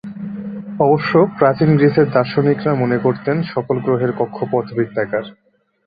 অবশ্য প্রাচীন গ্রিসের দার্শনিকরা মনে করতেন সকল গ্রহের কক্ষপথ বৃত্তাকার।